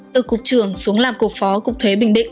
từ cục trưởng xuống làm cục phó cục thuế bình định